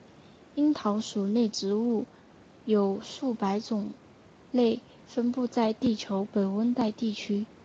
樱桃属内植物有数百种类分布在地球的北温带地区。